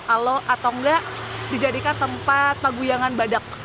atau tidak dijadikan tempat paguyangan badak